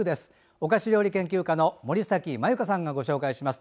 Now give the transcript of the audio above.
お菓子料理研究家の森崎繭香さんがご紹介します。